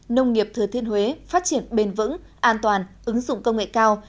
nông nghiệp thừa thiên huế phát triển bền vững an toàn ứng dụng công nghệ cao